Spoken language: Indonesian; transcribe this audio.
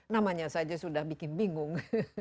namanya saja sudah bikin bingung